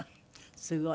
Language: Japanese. すごい。